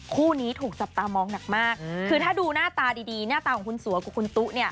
คู่นี้ถูกจับตามองหนักมากคือถ้าดูหน้าตาดีหน้าตาของคุณสัวกับคุณตุ๊เนี่ย